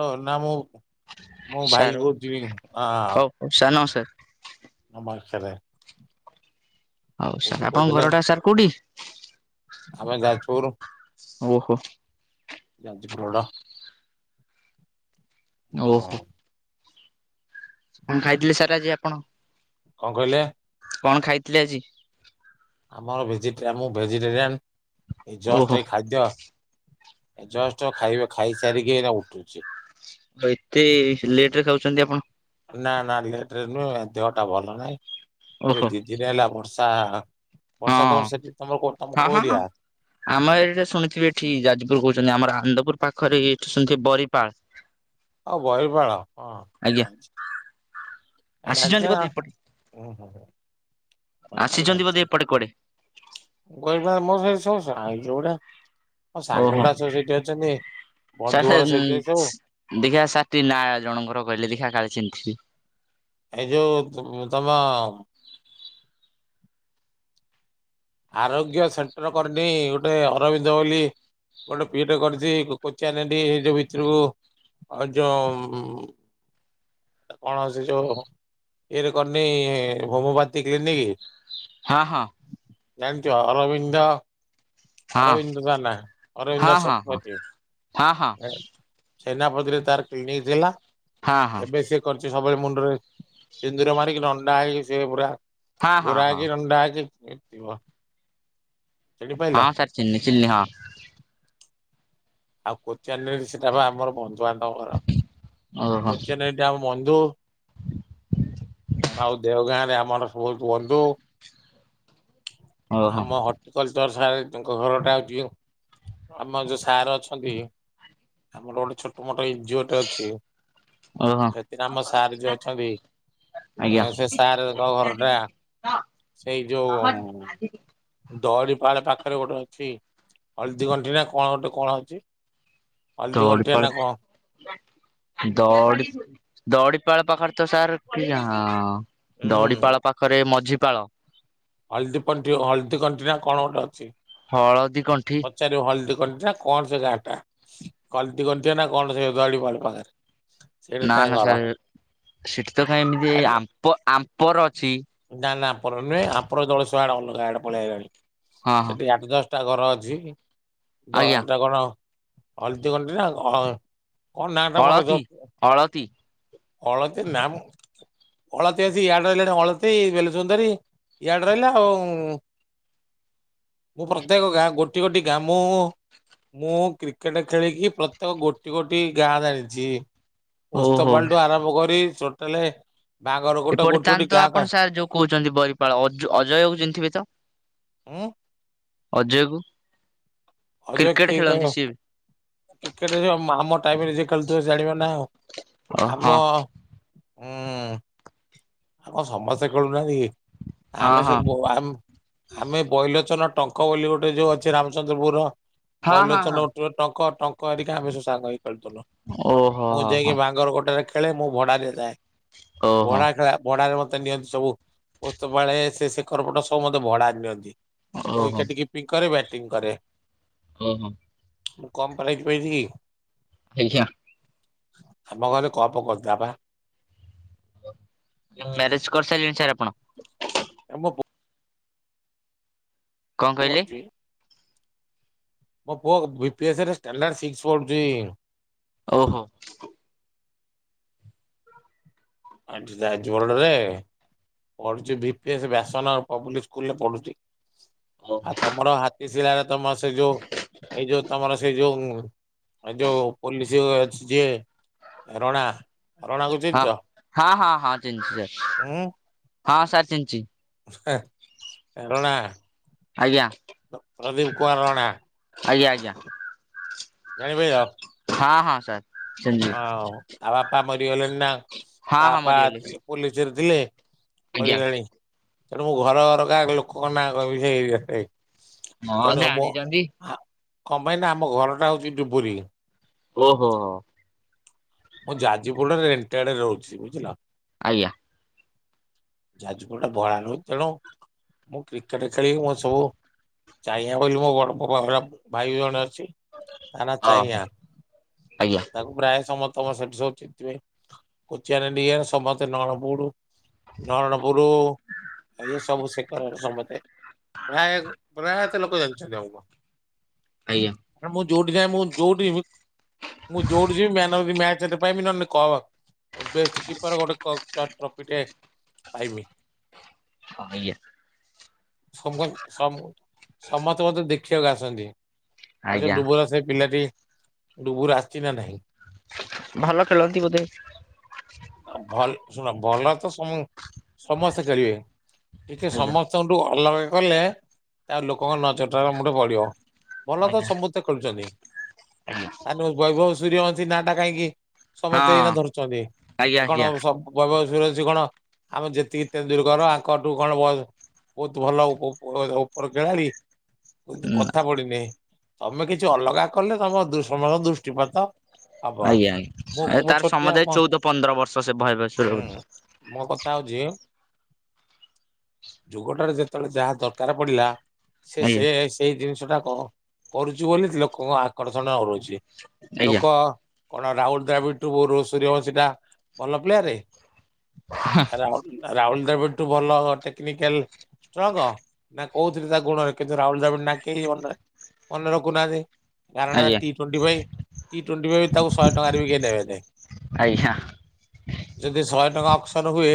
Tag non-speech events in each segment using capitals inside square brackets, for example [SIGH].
ହଉ ନା ମୁଁ ମୁଁ ସାର୍ ଭାଇ କହୁ ଯିବି। ହଉ ହଉ ସାର୍ ନମସ୍କାର ନମସ୍କାରେ। ହଉ ସାର୍ ଆପଣଙ୍କ ଘରଟା ସାର୍ କୋଉଠି? ଆମେ ଯାଜପୁର ଓହୋ ଯାଜପ ରୋଡ୍। ଓହୋ। କଣ ଖାଇଥିଲେ ସାର୍ ଆଜି ଆପଣ? କଣ କହିଲେ? କଣ ଖାଇଥିଲେ ଆଜି? ଆମର ଭେଜି ମୁଁ ଭେଜିଟେରିଆନ ଏ ଓହୋ ଜଷ୍ଟ ଏଇ ଖାଦ୍ୟ ଜଷ୍ଟ ଖାଇବା, ଖାଇ ସାରିକି ଏଇନା ଉଠୁଛି। ଏତେ ହେ ଲେଟ୍ ରେ ଖାଉଛନ୍ତି ଆପଣ? ନା, ନା ଲେଟ୍ ରେ ନୁହେଁ ଦେହଟା ଭଲ ନାହିଁ ଏ ଓହୋ ଯଉ ଜି ଜି ଟା ହେଲା ବର୍ଷା, ହଁ ବର୍ଷା ତମର ସେଠି ତମର ତମର କୋଉ ଏରିଆ? ଆମର ଏଇଟା ଶୁଣିଥିବେ ଏଠି ଯାଜପୁର କହୁଛନ୍ତି। ଆମର ଆନ୍ଦପୁର ପାଖରେ ଏଇଠି ଶୁଣିଥିବେ ବରିପାଳ। [UNINTELLIGIBLE] ଆଉ ବରିପାଳ ହଁ, ଆଜ୍ଞା ଆଛା। ଏ ଆସିଛନ୍ତି ଆର୍ଯ୍ୟ ବୋଧେ ଏପଟେ ଉଁ, ହୁଁ, ହୁଁ। ଆସିଛନ୍ତି ବୋଧେ ଏପଟେ କୁଆଡେ। ଗହିପାଳ ମୋ ସାହି ଶୁଣିଛ ନା ଯୋଉ ଗୁଡା ମୋ ସାଙ୍ଗ ଓହୋ ଗୁଡା ସବୁ ସେଇଠି ଅଛନ୍ତି, ବନ୍ଧୁ ଘର ସେଇଠି ଅଛି ସବୁ। ଦିଖାଆ ସାର୍ ଟିକେ ନାଁ ଜଣଙ୍କର କହିଲେ ଦେଖଆ କାଳେ ଚିହ୍ନୀ ଥିବି। ଏ ଯୋଉ ତୁ ତମ ଆରୋଗ୍ୟ ସେଣ୍ଟର କରିନି ଗୋଟେ ଅରବିନ୍ଦ ବୋଲି ଗୋଟେ ପିଏ ଟେ କରିଛି କୋଚିଆ ନେଣ୍ଡି ଏ ଯୋଉ ଭିତରକୁ ଆଉ ଯୋଉ କଣ ହବ ସେଇ ଯୋଉ ଇଏ ଯୋଉ କରିନି ହୋମଓପାଥି କ୍ଲିନିକ୍ ହଁ, ହଁ। ଜାଣିଛ ଅରବିନ୍ଦ ହଁ ଅରବିନ୍ଦ ତା ନା ହଁ ଅରବିନ୍ଦ ହଁ ହଁ ଶତପଥି। ହଁ ହଁ ହଁ ସେନାପତିରେ ତାର ଫିଲ୍ଡିଂ ଥିଲା। ହଁ ଏବେ ସିଏ କରିଛି ସବୁବେଳେ ମୁଣ୍ଡରେ ସିନ୍ଦୁର ମାରିକି ନଣ୍ଡା ହେଇକି ସିଏ ପୁରା ହଁ ହଁ ଗୋରା ହଁ ହେଇ କି ନଣ୍ଡଆ ହେଇକି [UNINTELLIGIBLE] ହଁ, ସାର୍ ଚିହ୍ନିଁଲି, ଚିହ୍ନିଁଲି ହଁ। ଆଉ କୋଚିଆନେଳି ସେଟା ବା ଆମର ବନ୍ଧୁ ବାନ୍ଧବ ଘର। ଓହୋ କୋଚାଆନେଳି ଟା ଆମ ବନ୍ଧୁ ଆଉ ଦେଓ ଗାଁ ରେ ଆମର ସବୁ ବନ୍ଧୁ। ଓହୋ ଆମ ହର୍ଟିକଲଚର ସାର୍ ତାଙ୍କ ଘରଟା ହଉଛି ଆମ ଯୋଉ ସାର ଅଛ ଅଛନ୍ତି। ଆମର ଗୋଟେ ଛୋଟ ମୋଟ ଏନ ଜି ଓ ଟେ ଅଛି। ଓହୋ ସେଥିରେ ଆମ ସାର୍ ଯିଉ ଅଛନ୍ତି ଆଜ୍ଞା ସେ ସାରଙ୍କ ଘର ଟା ସେଇ ଯୋଉ ଦରି ପାଳ ପାଖରେ ଗୋଟେ ଅଛି, ହଳଦୀଗଣ୍ଠି ନା କଣ ଗୋଟେ କଣ ଅଛି। ହଳଦୀ ଦରି ଗଣ୍ଠିଆ ନା କଣ ପାଳ ଦଡ଼ି ଦଡ଼ିପାଳ ପାଖ ରେ ତ ସାର୍ କି ହଁ, ହଁ। ହୁଁ ଦଡିପାଳ ପାଖରେ ମଝିପାଳ। ହଳଦୀପଣ୍ଠି, ହଳଦୀ କଣ୍ଠି ନା କଣ ଗୋଟେ ଅଛି। ହଳଦୀ କଣ୍ଠି ପଚାରିବ ହଳଦଦୀ କଣ୍ଠି କଣ ସେ ଗାଁ ଟା? କଲଟି କତିବ ନା କଣ ସେ ଗାଡ଼ି, ମାଡି ପାଖରେ। ସେଇଠି ନ ତାଙ୍କ ନା ଘର। ସାର ସେଠି ତ କାଇଁ ଏମିତି ଆମ୍ପ ଆମ୍ପର ଅଛି। କୁଆଡ଼େ ଅଲଗା ଆଡେ ପଳେଇ ଆଇଲଣି ହଁ ହଁ ସେଠି ଆଠ ଦଶଟା ଘର ଅଛି। ଦ ଆଜ୍ଞା ସେଟା କଣ ନା ହଳଦୀ ଗଣ୍ଠି ନା କଣ ନାଁ ଟା ମୋର ତ ହଳଦୀ ହଳଦୀ ହଳଦୀ ନା ମ ଅଳତି ଆସି ୟାଡେ ରହିଲାଣି, ଅଳତୀ ବେଲ ସୁନ୍ଦରୀ। ଇଆଡେ ରହିଲେ ଆଉ ମୁଁ ପ୍ରତ୍ୟେକ ଗାଁ ଗୋଟେ ଗୋଟି ଗୋଟି ଗାଁ ମୁଁ। ମୁଁ କ୍ରିକେଟ ଖେଳିକି ପ୍ରତ୍ୟେକ ଗୋଟି ଗୋଟି ଗାଁ ଜାଣିଛି। ଓସ୍ତ ଓହୋ ପାଲି ଠାରୁ ଆରମ୍ଭ କରି ସୋର୍ଟେଲ। [UNINTELLIGIBLE] ଆପଣ ସାର୍ ଯୋଉ କହୁଛନ୍ତି ବରିପାଳ ଅଜୁ ଅଜୟକୁ ଚିହ୍ନି ଥିବେ ତ? ଉଁ। ଅଜୟ କୁ? ଅଜୟ କ୍ରିକେଟ କିଏ କହିବ ଖେଳନ୍ତି ସିଏ ବି। କ୍ରିକେଟ ଯେ ଆମ ଟାଇମରେ ଯିଏ ଖେଳୁଥିବ ଜାଣିବା ନା ଆଉ ଓ ହଁ ଆମ [INAUDIBLE] ହଉ ସମସ୍ତେ ଖେଳୁନାହାନ୍ତି କି? ହଁ ଆମେ ହଁ ସବୁ ଆ ଆମେ ବୈଲୋଚନ ଟଙ୍କ ବୋଲି ଗୋଟେ ଯୋଉ ଅଛି ରାମଚନ୍ଦ୍ରପୁର ର ହଁ ହଁ ହଁ ବୈଲୋଚନ ଉଠ ଟଙ୍କ ଟଙ୍କ ଆରିକି ଆମେ ସବୁ ସାଙ୍ଗ ହେଇ ଖେଳୁଥିଲୁ। ଓହୋ ମୁଁ ହଁ ହଁ ଯାଇକି ବାଙ୍ଗର କଟାରେ ଖେଳେ ମୁଁ ଭଡା ଦେଇଥାଏ ଓହୋ ଭଡା ଖେଳ ଭଡାରେ ମୋତେ ନିଅନ୍ତି ସବୁ। ପୋସ୍ତପଳେ ସେ ଶେଖରପଟ ସବୁ ମତେ ଭଡାରେ ନିଅନ୍ତି। ମୁଁ ଓହୋ ୱିକେଟ କିପିଂ କରେ, ବ୍ୟାଟିଂ କରେ। ଓ ହୋ। ମୁ କମ୍ ପ୍ରାଇଜ ପାଇିଛି କି। ଆଜ୍ଞା। ଆମ ଘରେ କଣ କପ ଗଦା ବା। ମ୍ୟାରେଜ୍ କରିସାରିଲେଣି ସାର୍ ଆପଣ? ଆମ ବୋଉ କଣ କହିଲେ? ପଢୁଛି ମୋ ପୁଅ B P S standard six ପଢୁଛି। ଓହୋ। ଏଠୁ ଯାଇଛି [UNINTELLIGIBLE] ପଢୁଛି ଭି ପି ଏସ୍ ବ୍ୟାସନ ପବ୍ଲିକ୍ ସ୍କୁଲ ରେ ପଢୁଛି। ଓହୋ ଆଉ ତମର ହାତୀ ସିଳାରେ ତମର ସେ ଯୋଉ ଏଇ ଯୋଉ ତମର ସେଇ ଯୋଉ ଏ ଯୋଉ ପୋଲିସ ଅଛି ଯିଏ, ରଣା ରଣା କୁ ହଁ ଚିନ୍ହିଚ? ହଁ ହଁ ହଁ ଚିନିଛି ଚିନିଛି। ହଁ। ହଁ ସାର୍ ଚିନିଛି। ରଣା, ଆଜ୍ଞା ପ୍ରଦୀପ କୁମାର ରଣା। ଆଜ୍ଞା ଆଜ୍ଞା। ଜାଣି ପାରିଲ। ହଁ ହଁ ସାର୍। ଚିହ୍ନିଲି ହଁ ତା ବାପା ମରିଗଲେଣି ନା, ହଁ ତା ହଁ ବାପା ମରିଗଲି ପୋଲିସରେ ଥିଲେ। ଆଜ୍ଞା। କରିଲାଣି ତେଣୁ ମୁଁ ଘର ଘର କାହା ଲୋକଙ୍କ ନାଁ କହିବି ସେ ହଁ ତେଣୁ ମୁ ଜାଣିଛନ୍ତି କଣ ପାଇଁ ନା ଆମ ଘର ଟା ହଉଛି ଡୁବୁରୀ। ଓହୋ ହୋ। ମୁଁ ଯାଜିପୁର ଟାରେ ରେଣ୍ଟଏଡେ ରହୁଛି ବୁଝିଲ। ଆଜ୍ଞା। ଯାଜୁପୁର ଟା ଭଡ଼ା ନୁହଁ ତେଣୁ ମୁଁ କ୍ରିକେଟ ଖେଳିବି ମୁଁ ସବୁ ଚାହିଆ ବୋଲି ମୋ ବଡପା ଘ ଭାଇ ଜଣେ ଅଛି। ତା ନା ଓହୋ ଚାଇଁଆ ଆଜ୍ଞା ତାକୁ ପ୍ରାୟ ସମସ୍ତେ ତମେ ସେଠି ସବୁ ଚିଥିବେ କୋଚିଆ ସମସ୍ତେ ନରଣପୁରୁ ନରଣପୁର ଇଏ ସବୁ ସେକରେ ସମସ୍ତେ ପ୍ରାୟ ପ୍ରାୟ ତ ଲୋକ ଯାଉଛନ୍ତି ଦେଉ ଆଜ୍ଞା। ମୁଁ ଯୋଉଠି ଯାଏ ମୁଁ ଯୋଉଠି ମୁଁ ଯୋଉଠି ଯିବି ମ୍ୟାମ ମ୍ୟାଚ ଟେ ପାଇବି ନହନେ କପ ବେଷ୍ଟ କିପର ଗୋଟେ କପ୍ ଟ୍ରଫି ଟେ ପାଇମି। ହଁ ଆଜ୍ଞା। ସମ ସମ ସମସ୍ତେ ମୋତେ ଦେଖିବାକୁ ଆସନ୍ତି। ଆଜ୍ଞା ଡୁବର ଆ ସେ ପିଲାଟି ଡୁବୁର ଆସିଛି ନା ନାହିଁ। ଭଲ ଖେଳନ୍ତି ବୋଧେ। ଭଲ ଶୁଣ ଭଲ ତ ସମ ସମସ୍ତେ ଖେଳିବେ। ଟିକେ ଆଜ୍ଞା ସମସ୍ତଠୁ ଅଲଗା କଲେ ତା ଲୋକଙ୍କ ନଜର [UNINTELLIGIBLE] ପଡିବ ଭଲ ତ ଆଜ୍ଞା ସମସ୍ତେ ଖେଳୁଛନ୍ତି। [UNINTELLIGIBLE] ବୈଭବ ସୂର୍ଯ୍ୟବଂଶୀ ନା ଟା କାହିଁକି ହଁ। ସମସ୍ତେ ଏଇନା ଧରୁଛନ୍ତି ଆଜ୍ଞା ଆଉ କଣ ଆଜ୍ଞା ସମ ବୈଭବ ସୂର୍ୟବଂଶୀ କଣ ଆମେ ଯେତିକି ତେନ୍ଦୁଲକର ଆଙ୍କଠୁ କଣ ଭଲ- ବହୁତ ଭଲ ଉପର ଖେଳାଳି? କିନ୍ତୁ ହୁଁ କଥା ପଡିିନି ତମେ କିଛି ଅଲଗା କଲେ ତମ ସମ ଦୃଷ୍ଟିପାତ ହବ ଆଜ୍ଞା ମୁଁ ଆଜ୍ଞା ମୁଁ ତାର ଛୋଟିଆ ସମୁଦାୟ ମୋ ଚଉଦ ପନ୍ଦର ବର୍ଷ ସେ ବୈଭବ ହୁଁ ସୂର୍ୟବଂଶୀର ମୋ କଥା ହଉଛି ଯୁଗଟାରେ ଯେତେବେଳେ ଯାହା ଦରକାର ପଡିଲା, ସେ ଆଜ୍ଞା ସେ ସେଇ ଜିନିଷଟା କ କରୁଛି ବୋଲି ଲୋକଙ୍କ ଆକର୍ଷଣ ରହୁଛି। [INAUDIBLE] ଲୋକ କଣ ରାହୁଲ ଦ୍ରାବିଡ ଠୁ ସୂର୍ୟବଂଶୀ ଟା ଭଲ ପ୍ଲେୟାର? ରାହୁଲ ରାହୁଲ ଦ୍ରାଭିଡଠୁ ଭଲ ଟେକ୍ନିକାଲ ଷ୍ଟ୍ରଙ୍ଗ ନା କହୁଥିରେ ତା ଗୁଣରେ କିନ୍ତୁ ରାହୁଲ ଦ୍ରାବିଡ ନା କେହି ମନେରଖିନାହାନ୍ତି। ମନେରଖୁନାହାନ୍ତି କାରଣ ଆଜ୍ଞା ଟି ଟ୍ୱଣ୍ଟି ପାଇଁ ଟି ଟ୍ବେଣ୍ଟି ପାଇଁ ତାଙ୍କୁ ଶହେ ଟଙ୍କାରେ ଭି କେହି ନେବେନି। ଆଜ୍ଞା। ଯଦି ଶହେ ଟଙ୍କା ଅକ୍ସନ ହୁଏ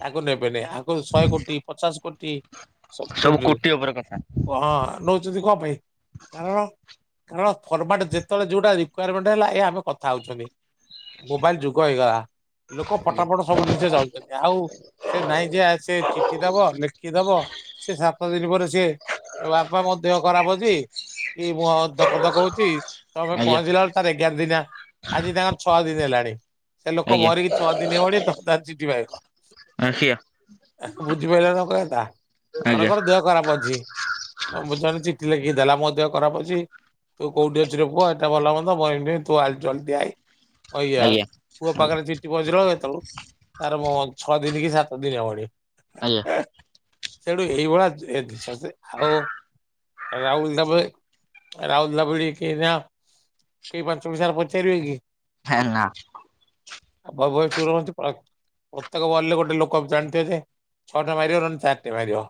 ତାକୁ ନେବେନି ଆଉ ଆଉ ଶହେ କୋଟି ପଚାଶ କୋଟି ସବୁ ଟ୍ବେଣ୍ଟି ନେବେ କୋଟି ଉପରେ କଥା ହଁ ନଉଛନ୍ତି କଣ ପାଇଁ? କାରଣ କାରଣ ଫର୍ମାଟ ଯେତେବେଳେ ଯୋଉଟା ରି ରିକୁଆର୍ମେଣ୍ଟ ହେଲା ହେଇ ଆମେ କଥା ହଉଛନ୍ତି ମୋବାଇଲ ଯୁଗ ହେଇଗଲା ଲୋକ ଫଟା ଫଟ ସବୁ ସବୁ ଜିନିଷ ଚାହୁଛନ୍ତି ଆଉ ସେ ନାଇଁ ଯେ ସେ ଚିଠି ଦବ, ଲେଖିଦବ, ସେ ସାତ ଦିନ ପରେ ସେ ବାପା ମୋ ଦେହ ଖରାପ ଅଛି କି ମୁଁ ଧକ ଧକ ହଉଛି ତମେ ଆଜ୍ଞା ପହଞ୍ଚିଲା ବେଳେ- ତାର ଏଗାର ଦିନ ଆଜି ତାଙ୍କର ଛଅ ଦିନ ହେଲାଣି। ସେ ଲୋକ ଆଜ୍ଞା ମରିକି ଛଅ ଦିନି ହବନି ସେ ହଟାତ୍ ଚିଠି ପାଇବ। ଆଜ୍ଞା ବୁଝିପାରିଲ ନା ମୋ କହିବା କଥା ଆଜ୍ଞା ମନେକର ଦେହ ଖରାପ ଅଛି ଜଣେ ଚିଠି ଲେଖି ଦେଲା ମୋ ଦେହ ଖରାପ ଅଛି ତୁ କୋଉଠି ଅଛିରେ ପୁଅ ଏଟା ଭଲ ମନ୍ଦ ତୁ ଆ ଜଲଦି ଆଇ କହିକି ଆ ଆଜ୍ଞା ପୁଅ ପାଖରେ ଚିଠି ପହଞ୍ଚିଲା ସେତେବେଳକୁ ତାର ମର ଛଅ ଦିନ କି ସାତ ଦିନ ହବଣି। ଆଜ୍ଞା ତେଣୁ ଏଇଭଳିଆ ଏ ଜିନିସ ଆଉ ରାହୁଲ ଦ୍ରାବିଡ ରାହୁଲ ଦ୍ରାବିଡ କି ନା କେହି ପାଞ୍ଚ ପଇସାରେ ପଚାରିବେ କି? ହେ ନା ବୈଭବ ସୂର୍ଯ୍ୟବଂଶୀ ପ୍ରତ୍ୟେକ ବଲରେ ଗୋଟେ ଲୋକ ଜାଣିଥିବ ଯେ ଛଅଟେ ମାରିବ ନହେଲେ ଚାରିଟେ ମାରିବ।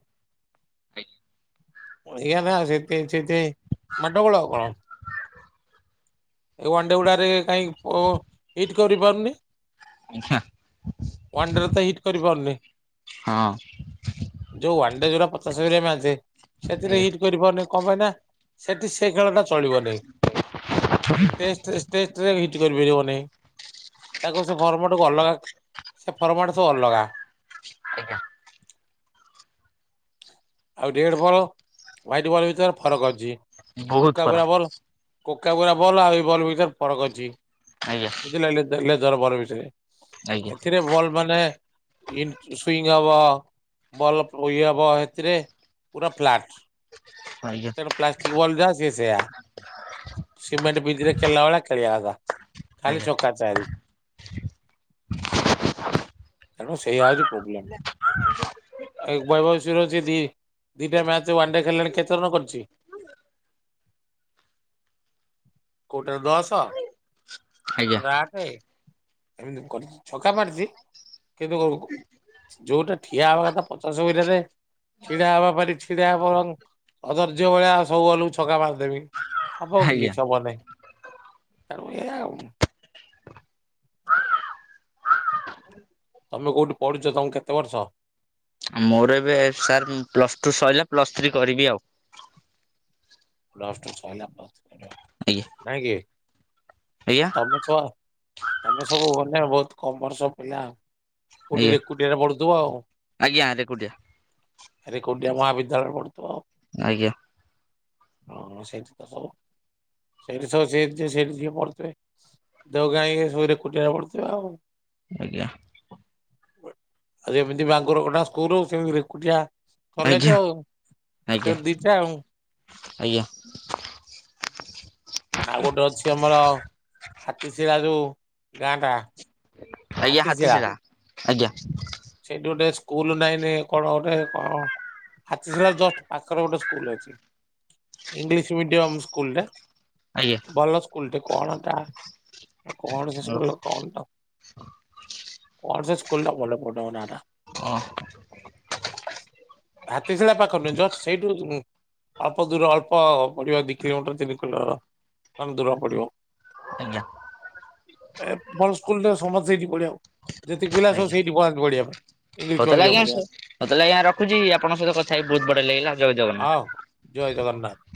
କହିବା କଥା ସେଇଥି ପାଇଁ ସେଇଥି ପାଇଁ ମାଡଗୋଲ ଆଉ କଣ? ଏ ୱାନଡେ ଗୁଡାରେ କାହିଁକି ହିଟ୍ କରି ପାରୁନି? ଆଛା। ୱାନ ଡେ ରେ ତ ହିଟ୍ କରିପାରୁନି। ହଁ। ଯୋଉ ୱାନଡେ ଯୋଉାଗୁଡ଼ା ପଚାଶ ଓଭର ମ୍ୟାଚ୍ ସେଥିରେ ଆଜ୍ଞା ହିଟ୍ କରିପାରୁନି କଣ ପାଇଁ ନା ସେଠି ସେ ଖେଳଟା ଚଳିବନି। [INAUDIBLE] ଟେଷ୍ଟ ଟେଷ୍ଟରେ ହିଟ୍ କରିପାରିବନି। ତାକୁ ସେ ଫର୍ମାଟକୁ ଅଲଗା ସେ ଫର୍ମାଟ ସବୁ ଅଲଗା। ଆଜ୍ଞା ଆଉ ରେଡ ବଲ୍ ୱାହିଟ ବଲ୍ ଭିତରେ ଫରକ ଅଛି। ବହୁତ କୋକାବୁରା ଫରକ ବଲ କୋକାବୁରା ବଲ୍ ଆଉ ଏଇ ବଲ୍ ଭିତରେ ଫରକ ଅଛି। ଆଜ୍ଞା। ବୁ ଜରଫର ବିଷୟରେ ଆଜ୍ଞା ଏଥିରେ ବଲ ମାନେ ସୁଇଂ ହବ ବଲ ଇଏହବ ଏଥିରେ ପୁରା ପ୍ଲାଟ ଆଜ୍ଞା। ତେଣୁ ପ୍ଲାଷ୍ଟିକ ବଲ ଯାହା ସିଏ ସେଇଆ ସିମେଣ୍ଟ ବିଜ ରେ ଖେଳିଲା ଭଳିଆ ଖେଳଆକଥା। ଖାଲି ଆଜ୍ଞା ଛକା ଚାରି। [INAUDIBLE] ତେଣୁ ସେଇଆା ହେଉଛି ପ୍ରୋବ୍ଲେମ ୟୁବା ବୟସର ଯେ ଦି ଦିଟା ମ୍ୟାଚ୍ ର ୱାନଡେ ଖେଲିଲାଣି କେତେ ରନ କରିଛୁ? କୋଉଟାରେ ଦଶ ଆଜ୍ଞା କୋଉଟାରେ ଆଠେ ଏମିତି କରିଛି ଛକା ମାରିଛି କିନ୍ତୁ ଯୋଉଟା ଠିଆ ହବା କଥା ପଚାଶ ଓଭରରେ ଛିଡା ହବା ପାରି ଛିଡାହବ ବରଂ ଅଧର୍ଯ୍ୟ ଭଳିଆ ସବୁ ବଲକୁ ଛକା ମାରିଦେବି ହେବ କୀ ଆଜ୍ଞା କିଛି ହେବନି, ସେଇଭଳିଆ ଆଉ। ତମେ କୋଉଠି ପଢୁଛ ତମକୁ କେତେ ବର୍ଷ? ମୋର ଏବେ ସାର୍ ପ୍ଲସ୍ ଟୁ ସରିଲା ପ୍ଲସ୍ ଥ୍ରୀ କରିବି ଆଉ। ପ୍ଲସ ଟୁ ସରିଲା ପ୍ଲସ ଥ୍ରି ଆଜ୍ଞା କରିବି କାହିଁକି ଆଜ୍ଞା ଆ ତମେ ସବୁ ତମେ ସବୁ ମାନେ ବହୁତ କମର୍ସ ପିଲା କୋଉଠି ଆଜ୍ଞା ଏକୁଟିଆରେ ପଢୁଥିବ ଆଉ। ଆଜ୍ଞା ରେକୁଟିଆ ଆରେ କୋଡିଆ ମହାବିଦ୍ୟାଳୟରେ ପଢୁଥିବ ଆଉ। ଆଜ୍ଞା। ହଁ ସେଇଠି ତ ସବୁ ସେଇଠି ସବୁ ସେଇଠି ଯିଏ ସେଇଠି ଯିଏ ପଢୁଥିବେ ଦେଉ ଗାାଇଁକ ସରେ କୁଟିବାକୁ ପଡିୁଥିବ ଆଉ ଆଜ୍ଞା। ଆ ଯେମିତି ମାଙ୍କର କଟା ସ୍କୁଲ ସେମିତି ରେକୁଟିଆ କଲେଜ ଆଜ୍ଞା ଆଉ ସେ ଆଜ୍ଞା ଦିଟା ଆଉ ଆଜ୍ଞା। ଆଉ ଗୋଟେ ଅଛି ଆମର ହାତୀଶିଳା ଯୋଉ ଗାଁ ଟା ଆଜ୍ଞା ହାତୀଶିଳା ଆଜ୍ଞା। ସେଠି ଗୋଟେ ସ୍କୁଲ ନାଇଁନି କଣ ଗୋଟେ କଣ? ହାତୀଶିଳା ଜଷ୍ଟ ପାଖରେ ଗୋଟେ ସ୍କୁଲ ଅଛି। ଇଂଲିଶ ମିଡିୟମ ସ୍କୁଲଟା। ଆଜ୍ଞା। ଭଲ ସ୍କୁଲଟେ କଣ ତା କଣ ସେ ସ୍କୁଲ କଣ ତ କଣ ସେ ସ୍କୁଲ ଟା ମନେପଡ଼ିନିମ ନାଁ ଟା ଓ [INAUDIBLE] ହାତୀଶିଳା ପାଖରେ ନୁହେଁ ଜଷ୍ଟ୍ ସେଇଠୁ ଅଳ୍ପ ଦୂର ଅଳ୍ପ ବଢିବା ଦିଇ କିଲୋମିଟର ତିନିକିଲୋ [UNINTELLIGIBLE] ଦୂର ପଡ଼ିିବ। ଆଜ୍ଞା ଏ ଭଲ ସ୍କୁଲ ରେ ସମସ୍ତେ ସେଠି ପଢିଆକୁ ଯେତିକି ପିଲା ଆଜ୍ଞା ସବୁ ସେଇଠି ପଳାନ୍ତି ପଢିଆ ପାଇଁ ହଉ ଇଂଲିଶ ତାହେଲେ ମିଡିୟମ ଆଜ୍ଞା ପଢିବା ହଉ ତାହେଲେ ଆଜ୍ଞା ରଖୁଛି ଆପଣଙ୍କ ସହିତ କଥାହେଇ ବହୁତ ବଢିଆ ଲାଗିଲା ଜୟ ଜଗନ୍ନାଥ। ଆ ଓ ଜୟ ଜଗନ୍ନାଥ